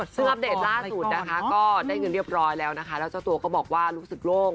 ซึ่งอัปเดตล่าสุดนะคะก็ได้เงินเรียบร้อยแล้วนะคะแล้วเจ้าตัวก็บอกว่ารู้สึกโล่ง